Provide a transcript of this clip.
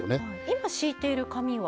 今敷いている紙は？